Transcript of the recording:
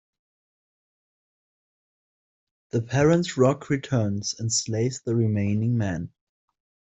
The parent Roc returns and slays the remaining men.